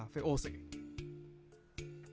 rumah ini dikenal sebagai rumah sejarah voc